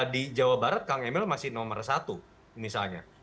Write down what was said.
di jawa barat kang emil masih nomor satu misalnya